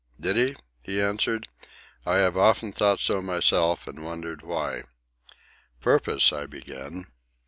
"Did he?" he answered. "I have often thought so myself, and wondered why." "Purpose—" I began.